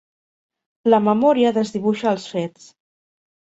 La memòria desdibuixa els fets.